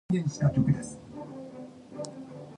Russian athletes form some of the participating nations.